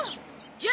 じゃ！